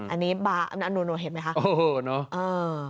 อันนี้บาร์หนูเห็นไหมคะเออเนอะเออ